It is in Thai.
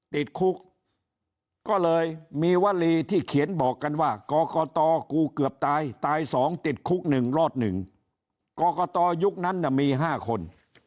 ติดคุกก็เลยมีวลีที่เขียนบอกกันว่ากรกตกูเกือบตายตายสองติดคุกหนึ่งรอดหนึ่งกรกตยุคนั้นน่ะมี๕คน